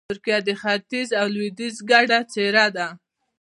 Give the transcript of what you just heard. ترکیه د ختیځ او لویدیځ ګډه څېره ده.